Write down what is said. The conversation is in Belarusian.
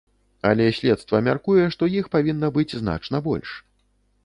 Але следства мяркуе, што іх павінна быць значна больш.